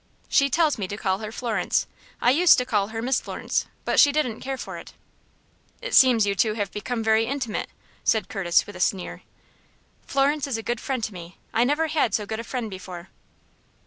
"She tells me to call her Florence. I used to call her Miss Florence, but she didn't care for it." "It seems you two have become very intimate," said Curtis, with a sneer. "Florence is a good friend to me. I never had so good a friend before."